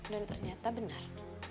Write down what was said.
dan ternyata benar